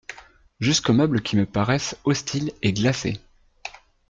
Jusqu'aux meubles qui me paraissaient hostiles et glacés.